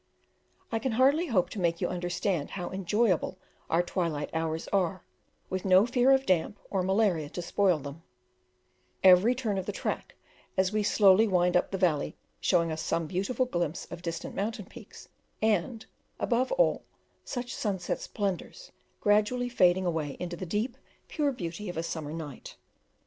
I can hardly hope to make you understand how enjoyable our twilight hours are, with no fear of damp or malaria to spoil them; every turn of the track as we slowly wind up the valley showing us some beautiful glimpse of distant mountain peaks, and, above all, such sunset splendours, gradually fading away into the deep, pure beauty of a summer night.